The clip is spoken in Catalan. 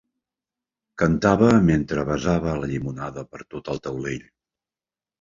Cantava mentre vessava la llimonada per tot el taulell.